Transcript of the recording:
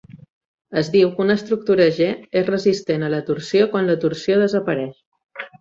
Es diu que una estructura "G" és resistent a la torsió quan la torsió desapareix.